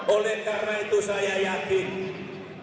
oleh karena itu saya yakin